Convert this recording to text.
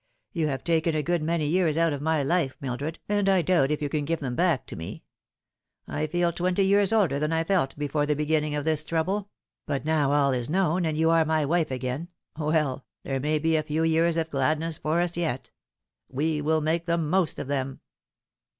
You have taken a good many years out of my life, Mildred, and I doubt if you can give them baok to me. I feel twenty years older than I felt before the beginnir g of this trouble ; but now all is known, and you are my wifo again well, there may be a few years of gladness for us yet. We will make the most of them."